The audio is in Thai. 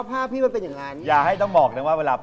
ปูเขาน้ำสตกตรงนั้น